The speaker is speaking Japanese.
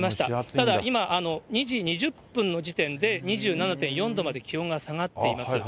ただ、今２時２０分の時点で２７．４度まで気温が下がっています。